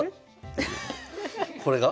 これが？